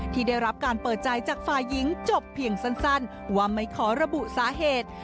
ที่ได้รับการเปิดใจจากฝ่ายหญิงจบเพียงสั้นว่าไม่ขอระบุสาเหตุ